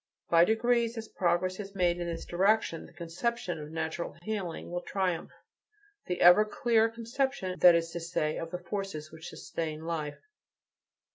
By degrees, as progress is made in this direction, the conception of "natural healing" will triumph the ever clearer conception, that is to say, of the forces which sustain life.